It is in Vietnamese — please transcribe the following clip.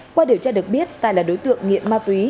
qua điều tra được biết tài là đối tượng nghiện ma túy